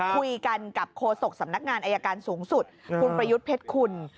คุยกันกับโฆษกสำนักงานอายการสูงสุดคุณประยุทธ์เพชรคุณ